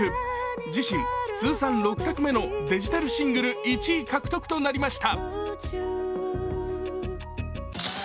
自身通算６作目のデジタルシングル１位獲得となりました。